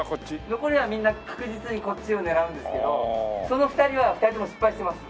残りはみんな確実にこっちを狙うんですけどその２人は２人とも失敗してます。